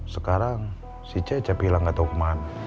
sekarang si ceca hilang gak tau kemana